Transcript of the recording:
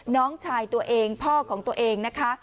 น้องชายตัวเองพ่อของตัวเองนะคะ